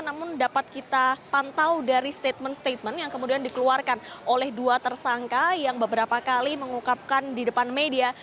namun dapat kita pantau dari statement statement yang kemudian dikeluarkan oleh dua tersangka yang beberapa kali mengukapkan di depan media